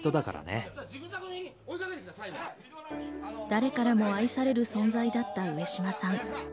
誰からも愛される存在だった上島さん。